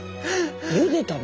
ゆでたの？